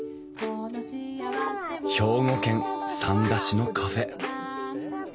兵庫県三田市のカフェ。